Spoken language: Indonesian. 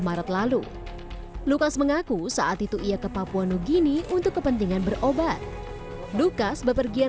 maret lalu lukas mengaku saat itu ia ke papua nugini untuk kepentingan berobat lukas bepergian